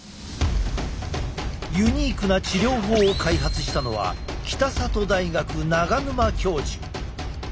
ユニークな治療法を開発したのは北里大学長沼教授。